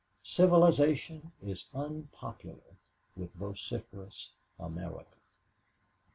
"Civilization is unpopular with vociferous America."